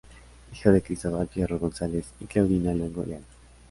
Hijo de Cristóbal Fierro González y Claudina Luengo Leal.